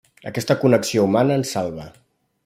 Aquesta connexió humana ens salva.